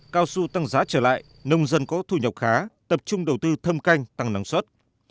cao su tăng giá trở lại nông dân có thu nhập khá tập trung đầu tư thâm canh tăng năng suất